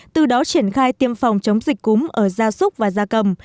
từ đó triển khai tiêm phòng chống dịch cúm ở da súc và gia cầm